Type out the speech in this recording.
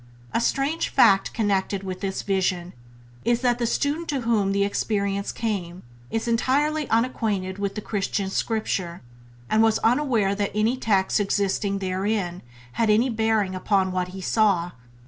A strange fact connected with this vision is that the student to whom the experience came is entirely unacquainted with the Christian Scripture, and was unaware that any text existing therein had any bearing upon what he saw.